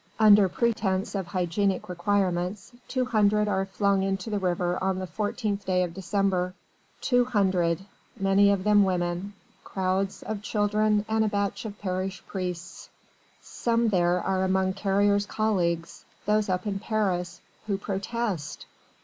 Under pretence of hygienic requirements two hundred are flung into the river on the 14th day of December. Two hundred many of them women crowds of children and a batch of parish priests. Some there are among Carrier's colleagues those up in Paris who protest!